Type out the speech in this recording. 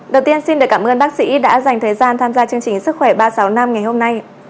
đầu tiên xin được cảm ơn bác sĩ đã dành thời gian tham gia chương trình sức khỏe ba trăm sáu mươi năm ngày hôm nay